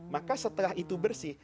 maka setelah itu bersih